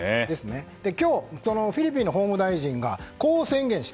今日そのフィリピンの法務大臣がこう宣言した。